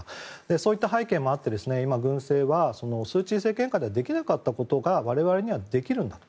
そういった背景もあって今の軍政はスー・チー政権下でできなかったことが我々にはできるんだと。